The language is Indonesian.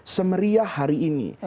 semeriah hari ini